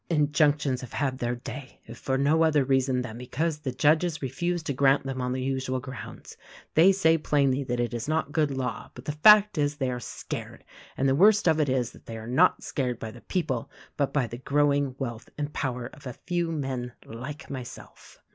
Injunctions have had their day — if for no other reason, then because the Judges refuse to grant them on the usual grounds. They say plainly that it is not good law ; but the fact is they are scared, and the worst of it is that they are not scared by the people, but by the growing wealth and power of a few men like myself.